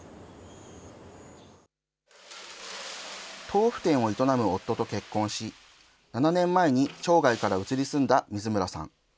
豆腐店を営む夫と結婚し、７年前に町外から移り住んだ水村さん。